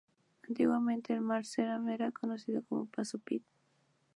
Antiguamente, el mar de Ceram era conocido como paso Pitt.